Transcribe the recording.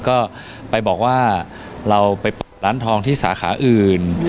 ก็ไปบอกว่าเราไปเปิดร้านทองที่สาขาอื่น